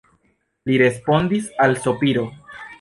Li respondis al sopiro.